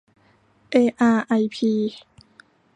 เออาร์ไอพี